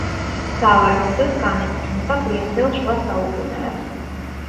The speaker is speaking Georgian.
სავარაუდოდ, განეკუთვნება გვიანდელ შუა საუკუნეებს.